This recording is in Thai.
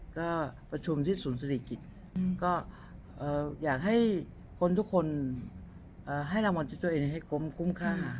ก็ประชุมที่ศูนย์ศิริกิจก็อยากให้คนทุกคนให้รางวัลที่ตัวเองให้คุ้มค่า